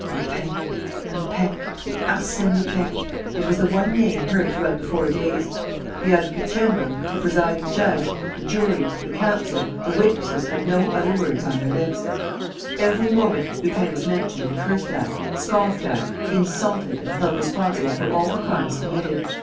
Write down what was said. Lupin.... Lupin.... Arsène Lupin: it was the one name heard throughout the four days. The advocate general, the presiding judge, the jury, the counsel, the witnesses had no other words on their lips. Every moment, Lupin was mentioned and cursed at, scoffed at, insulted and held responsible for all the crimes committed.